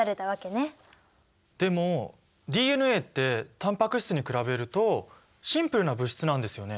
でもＤＮＡってタンパク質に比べるとシンプルな物質なんですよね。